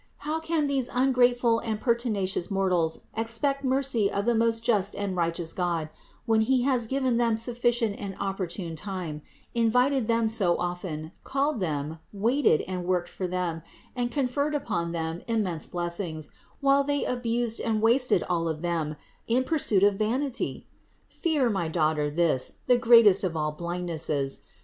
How can these ungrateful and pertina cious mortals expect mercy of the most just and righteous God, when He has given them sufficient and opportune time, invited them so often, called them, waited and worked for them, and conferred upon them immense blessings, while they abused and wasted all of them in the pursuit of vanity ? Fear, my daughter, this, the great est of all blindnesses.